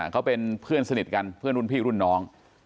เขาเป็นเพื่อนสนิทกันเพื่อนรุ่นพี่รุ่นน้อง